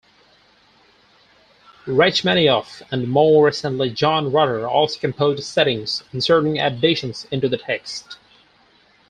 Rachmaninoff and, more recently, John Rutter also composed settings, inserting additions into the text.